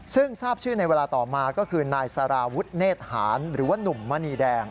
ซึ่งทราบชื่อในเวลาต่อมาก็คือนายสาราวุฒิเนธหารหรือว่านุ่มมณีแดง